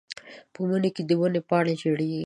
په مني کې د ونو پاڼې رژېږي.